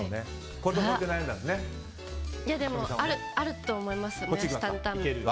でも、あると思います